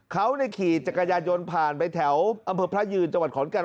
เขาขี่จักรยานยนต์ผ่านไปแถวอำเภอพระยืนจังหวัดขอนแก่น